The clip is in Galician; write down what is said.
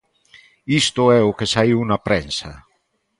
Isto é o que saíu na prensa.